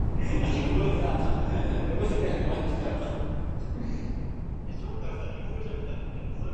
Cushing has burned down a total of three times in its long history.